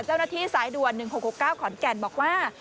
เจ้าหน้าที่สายด่วน๑๖๖๙ขอนแก่นบอกว่า